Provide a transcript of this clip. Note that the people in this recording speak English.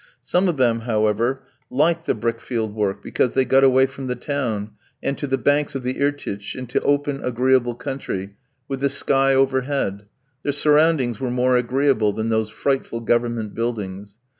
Some of them, however, liked the brick field work, because they got away from the town, and to the banks of the Irtych into open, agreeable country, with the sky overhead; the surroundings were more agreeable than those frightful Government buildings.